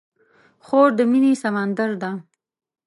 خور د مینې سمندر ده.